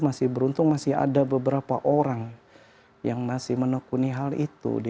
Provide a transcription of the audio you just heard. masih beruntung masih ada beberapa orang yang masih menekuni hal itu